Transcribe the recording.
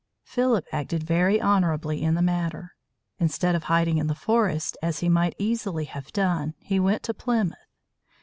Philip acted very honorably in the matter. Instead of hiding in the forest, as he might easily have done, he went to Plymouth.